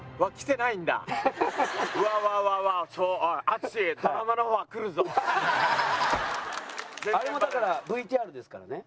あれもだからＶＴＲですからね。